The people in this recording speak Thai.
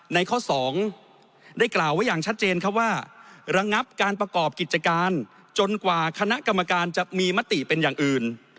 ในข้อ๒ได้กล่าวไว้อย่างชัดเจนครับว่าระงับการประกอบกิจการจนกว่าคณะกรรมการจะมีมติเป็นอย่างอื่น